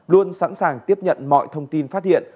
luôn sẵn sàng tiếp nhận mọi thông tin phát hiện